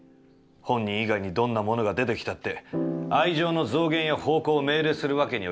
本人以外にどんなものが出て来たって、愛情の増減や方向を命令する訳には行かない」。